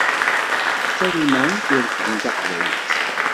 Uli Rohde, talmant i irefden Taqbaylit.